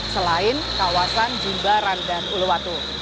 selain kawasan jimbaran dan uluwatu